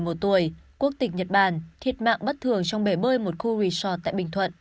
quốc tịch nhật bản thiệt mạng bất thường trong bể bơi một khu resort tại bình thuận